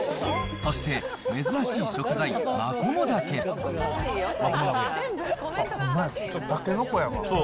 そして珍しい食材、マコモダあっ、そう。